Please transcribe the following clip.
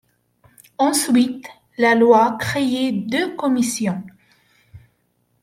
Ensuite, la Loi créait deux commissions.